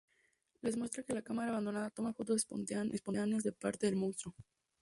Les muestra que la cámara abandonada tomó fotos espontáneas de partes del monstruo.